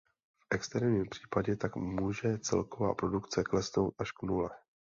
V extrémním případě tak může celková produkce klesnout až k nule.